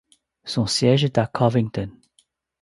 Son siège est Covington.